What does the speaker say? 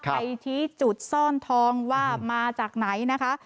ไปชี้จุดซ่อนทองว่ามาจากไหนนะคะ